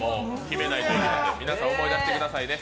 皆さん、思い出してくださいね。